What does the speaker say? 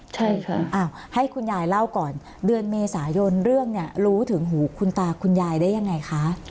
ใช่ค่ะอ้าวให้คุณยายเล่าก่อนเดือนเมษายนเรื่องเนี่ยรู้ถึงหูคุณตาคุณยายได้ยังไงคะ